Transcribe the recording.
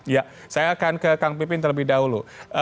ya saya akan ke kang pipin terlebih dahulu